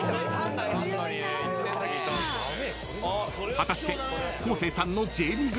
［果たして］